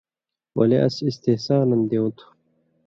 ولے اَس استحساناً دیوں تُھو۔